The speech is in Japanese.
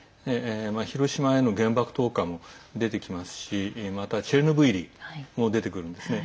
広島への原爆投下も出てきますしまたチェルノブイリも出てくるんですね。